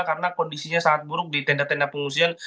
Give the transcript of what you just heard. karena kondisinya sangat buruk di tenda tenda pengusian